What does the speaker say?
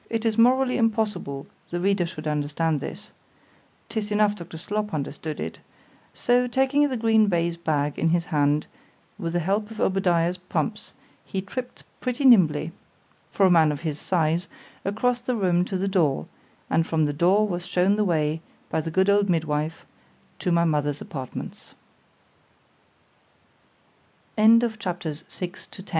——It is morally impossible the reader should understand this——'tis enough Dr. Slop understood it;——so taking the green baize bag in his hand, with the help of Obadiah's pumps, he tripp'd pretty nimbly, for a man of his size, across the room to the door——and from the door was shewn the way, by the good old midwife, to m